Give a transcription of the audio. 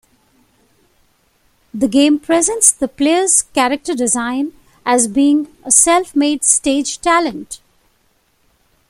The game presents the player's character design as being a self-made stage talent.